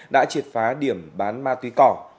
đã triệt phá điểm bán ma túy cỏ